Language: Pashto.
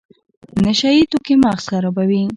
نشه یي توکي مغز خرابوي